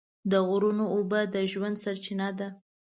د غرونو اوبه د ژوند سرچینه ده.